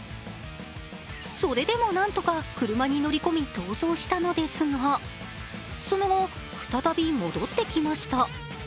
それでもなんとか車に乗り込み逃走したのですがその後、再び戻ってきました。